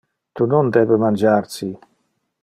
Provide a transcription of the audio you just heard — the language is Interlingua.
Tu non debe mangiar ci.